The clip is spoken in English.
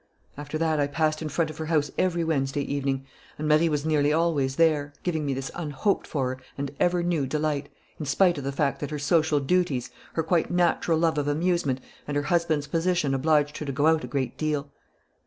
"After that I passed in front of her house every Wednesday evening; and Marie was nearly always there, giving me this unhoped for and ever new delight, in spite of the fact that her social duties, her quite natural love of amusement, and her husband's position obliged her to go out a great deal."